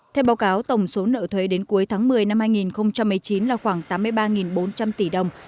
theo báo cáo tổng số nợ thuế đến cuối tháng một mươi năm hai nghìn một mươi chín là khoảng tám mươi ba bốn trăm linh tỷ đồng